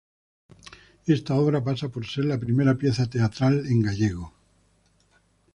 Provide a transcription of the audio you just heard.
Esta obra pasa por ser la primera pieza teatral en gallego.